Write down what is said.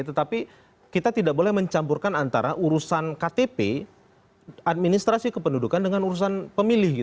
tetapi kita tidak boleh mencampurkan antara urusan ktp administrasi kependudukan dengan urusan pemilih